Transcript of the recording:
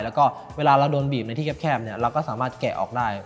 แล้วก็เวลาเราโดนบีบในที่แคบเราก็สามารถแกะออกได้